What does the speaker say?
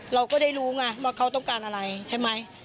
เราก็ได้รู้ไงว่าเขาต้องการอะไรใช่ไหม